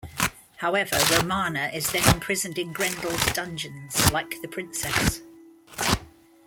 However, Romana is then imprisoned in Grendel's dungeons like the Princess.